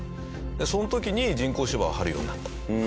その時に人工芝を張るようになった。